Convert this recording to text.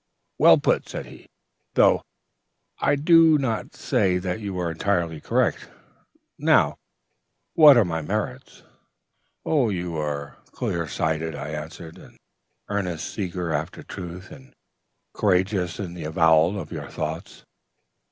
"'Well put,' said he, 'though I do not say that you are entirely correct. Now, what are my merits?' "'You are clear sighted,' I answered, 'an earnest seeker after truth, and courageous in the avowal of your thoughts.'